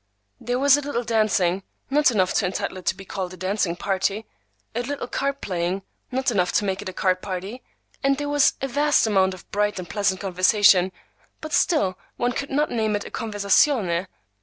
There was a little dancing,—not enough to entitle it to be called a dancing party; a little card playing,—not enough to make it a card party; and there was a vast amount of bright and pleasant conversation, but still one could not name it a converzatione.